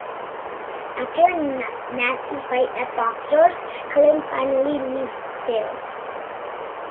After a nasty fight at Boxers, Helen finally leaves Phil.